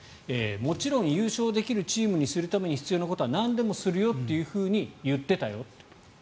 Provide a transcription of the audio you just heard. もちろん優勝できるチームにするために必要なことはなんでもするよというふうに言っていたよと。